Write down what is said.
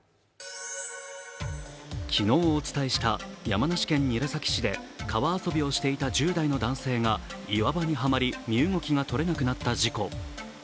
昨日お伝えした、山梨県韮崎市で川遊びをしていた１０代の男性が岩場にはまり身動きが取れなくなった事故。